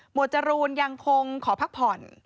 หมวดจรูลยังคงขอพักผ่อน